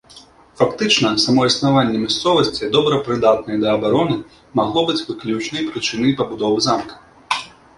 Фактычна, само існаванне мясцовасці, добра прыдатнай да абароны, магло быць выключнай прычынай пабудовы замка.